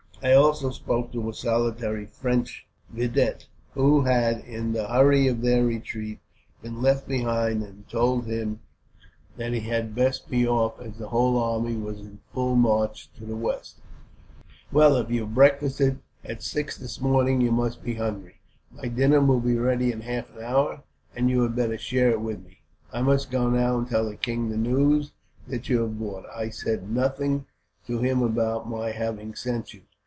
"I also spoke to a solitary French vidette who had, in the hurry of their retreat, been left behind; and told him that he had best be off, as the whole army was in full march for the west." "Well, if you breakfasted at six this morning, you must be hungry. My dinner will be ready in half an hour, and you had better share it with me. I must go now, and tell the king the news that you have brought. I said nothing to him about my having sent you."